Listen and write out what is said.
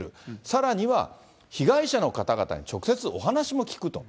さらには、被害者の方々に直接お話も聞くと。